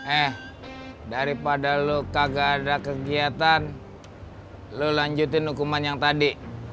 eh daripada luka gak ada kegiatan lo lanjutin hukuman yang tadi